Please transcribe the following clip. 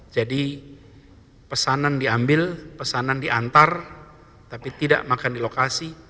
jadi pesanan diambil pesanan diantar tapi tidak makan di lokasi